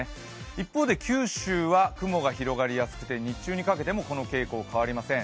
一方で九州は雲が広がりやすくて日中にかけてもこの傾向、変わりません。